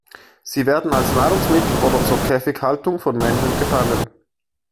Sie werden als Nahrungsmittel oder zur Käfighaltung vom Menschen gefangen.